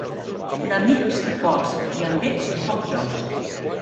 D'amics, pocs, i amb ells, pocs jocs.